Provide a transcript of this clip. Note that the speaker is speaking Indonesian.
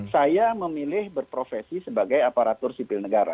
saya memilih berprofesi sebagai aparatur sipil negara